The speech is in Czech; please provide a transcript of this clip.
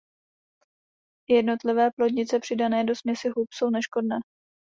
Jednotlivé plodnice přidané do směsi hub jsou neškodné.